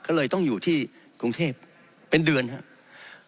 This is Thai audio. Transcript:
ก็เลยต้องอยู่ที่กรุงเทพเป็นเดือนครับ